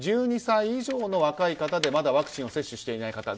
１２歳以上の若い方でまだワクチンを接種していない方